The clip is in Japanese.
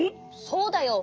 そうだよ。